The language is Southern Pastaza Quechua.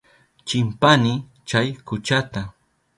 Chimpani chay kuchata.